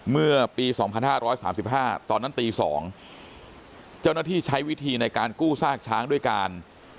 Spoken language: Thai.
เมื่อปี๒๕๓๕ตอนนั้นตี๒เจ้าหน้าที่ใช้วิธีในการกู้ซากช้างด้วยการ